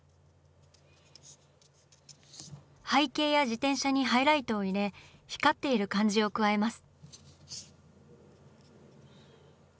背景や自転車にハイライトを入れ光っている感じを加えます。